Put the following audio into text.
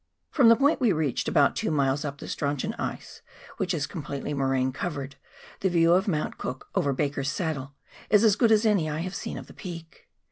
From the point we reached about two miles up the Strauchon ice, which is com pletely moraine covered, the view of Mount Cook over Baker's Saddle is as good as any I have seen of the peak.